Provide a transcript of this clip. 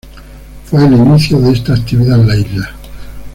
Fue el inicio de esta actividad en la isla.